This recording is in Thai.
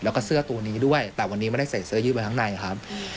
และเสื้อตัวนี้ด้วยแต่วันนี้ไม่ได้เสร็จเสื้อยู่บนข้างในครับ